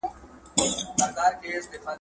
هغه ښار چي تا په خوب کي دی لیدلی ..